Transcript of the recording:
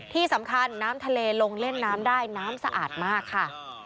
ที่สำคัญน้ำทะเลลงเล่นน้ำได้น้ำสะอาดมากค่ะ